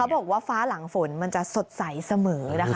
บอกว่าฟ้าหลังฝนมันจะสดใสเสมอนะคะ